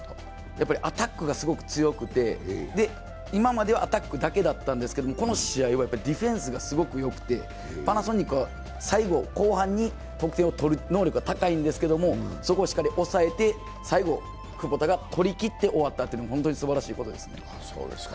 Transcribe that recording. やはりアタックがすごく強くて、今まではアタックだけだったんですけど、この試合はディフェンスがすごくよくてパナソニックは最後後半に得点をとる能力が高いんですけどそこをしっかり抑えて、最後にクボタが取りきって終わったというのは本当にすばらしいことです。